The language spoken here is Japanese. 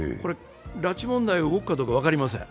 拉致問題が動くかどうか分かりません。